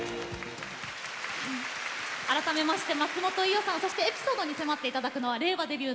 改めまして、松本伊代さんそしてエピソードに迫っていただくのは令和デビュー